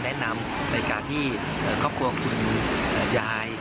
แนะนำในการที่ครอบครัวคุณยาย